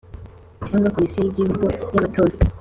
cyangwa Komisiyo y’Igihugu y’Amatora.